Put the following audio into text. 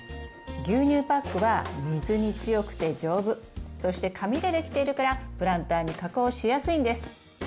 牛乳パックは水に強くて丈夫そして紙でできているからプランターに加工しやすいんです。